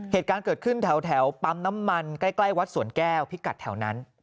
เหตุการณ์เกิดขึ้นแถวปั๊มน้ำมันใกล้วัดสวนแก้วพิกัดแถวนั้น